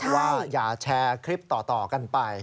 ว่าอย่าแชร์คลิปต่อกันไป